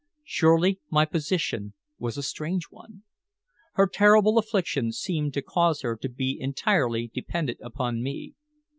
Surely my position was a strange one. Her terrible affliction seemed to cause her to be entirely dependent upon me.